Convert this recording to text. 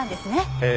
ええ。